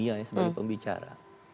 di seluruh dunia sebagai pembicara